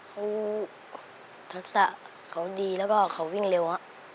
เขาทักษะเขาดีแล้วก็เขาวิ่งเร็ว